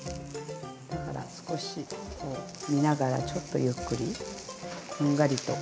だから少し見ながらちょっとゆっくりこんがりと。